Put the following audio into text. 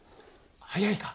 早いか。